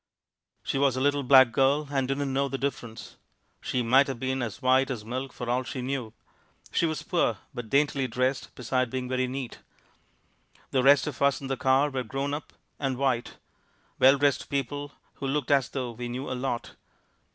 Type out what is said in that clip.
She was a little black girl and didn't know the difference she might have been as white as milk for all she knew. She was poor but daintily dressed beside being very neat. The rest of us in the car were grown up and white well dressed people who looked as though we knew a lot.